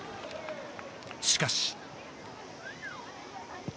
しかし。